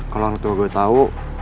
kalo orang tua gua tau